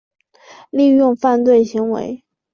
利用犯罪行为